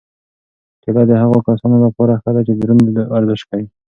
کیله د هغو کسانو لپاره ښه ده چې دروند ورزش کوي.